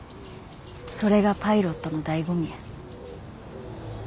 それがパイロットのだいご味や。